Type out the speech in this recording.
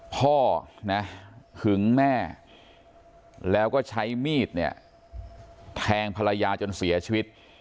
พ่อนะหึงแม่แล้วก็ใช้มีดเนี่ยแทงภรรยาจนเสียชีวิต